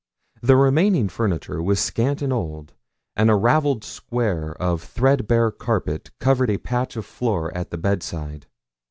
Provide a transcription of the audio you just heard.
The remaining furniture was scant and old, and a ravelled square of threadbare carpet covered a patch of floor at the bedside.